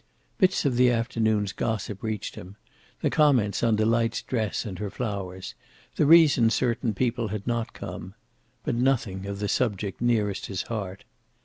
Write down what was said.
Bits of the afternoon's gossip reached him; the comments on Delight's dress and her flowers; the reasons certain people had not come. But nothing of the subject nearest his heart.